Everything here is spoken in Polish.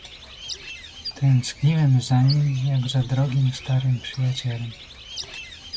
"Tęskniłem za nim jak za drogim starym przyjacielem."